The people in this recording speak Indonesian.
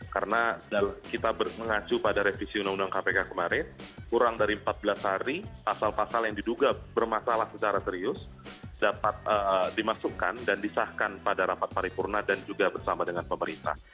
karena kita mengacu pada revisi undang undang kpk kemarin kurang dari empat belas hari pasal pasal yang diduga bermasalah secara serius dapat dimasukkan dan disahkan pada rapat paripurna dan juga bersama dengan pemerintah